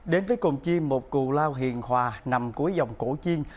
đến với cùng chi một cụ lao hiền hòa nằm cuối dòng cổ chiên